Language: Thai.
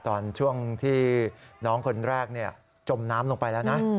ตอนช่วงที่น้องคนแรกจมน้ำลงไปแล้วนะ